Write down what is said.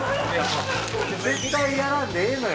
絶対にやらんでええのよ。